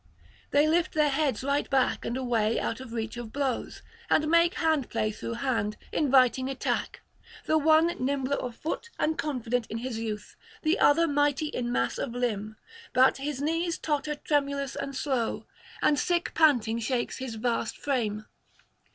They lift their heads right back and away out of reach of blows, and make hand play through hand, inviting attack; the one nimbler of foot and confident in his youth, the other mighty in mass of limb, but his knees totter tremulous and slow, and sick panting shakes his vast frame.